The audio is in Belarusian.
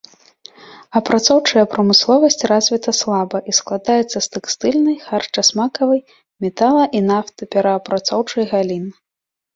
Апрацоўчая прамысловасць развіта слаба і складаецца з тэкстыльнай, харчасмакавай, метала- і нафтаперапрацоўчай галін.